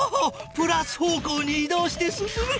プラス方向にい動して進む。